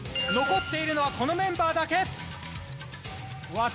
残っているのはこのメンバーだけ。